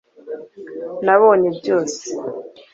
nabonye byose